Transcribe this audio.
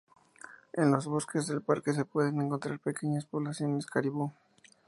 En los bosques del parque se pueden encontrar pequeñas poblaciones caribú.